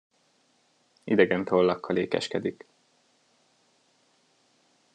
Idegen tollakkal ékeskedik.